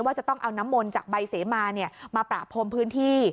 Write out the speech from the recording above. จะต้องเอาน้ำมนต์จากใบเสมามาประพรมพื้นที่